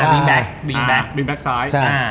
อ่าบิงแบคซ้าย